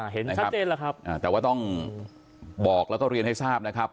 เห็นชัดเจนแล้วครับแต่ว่าต้องบอกแล้วก็เรียนให้ทราบนะครับ